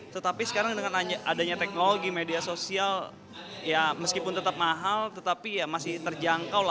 tetapi sekarang dengan adanya teknologi media sosial ya meskipun tetap mahal tetapi ya masih terjangkau